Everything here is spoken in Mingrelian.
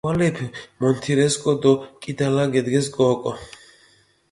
ქუალეფი მონთირესკო დო კიდალა გედგესკო ოკო.